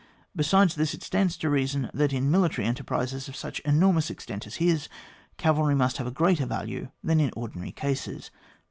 Besides this, it stands to reason that in military enter prises of such enormous extent as his, cavalry must have a greater value than in ordinary cases.